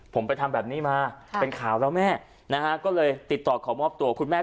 ผมไปทำแบบนี้มาเป็นข่าวแล้วแม่